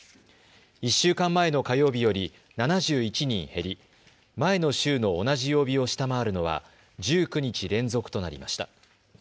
１週間前の火曜日より７１人減り前の週の同じ曜日を下回るのは１９日連続となりました。